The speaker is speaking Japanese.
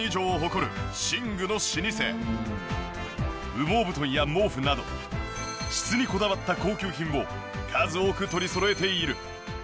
羽毛布団や毛布など質にこだわった高級品を数多く取りそろえている。